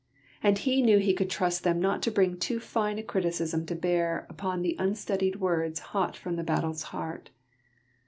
And he knew he could trust them not to bring too fine a criticism to bear upon the unstudied words hot from the battle's heart.